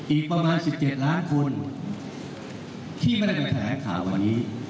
อีกประมาณ๑๗ล้านคนที่ไม่ได้จะแถลงข่าววันนี้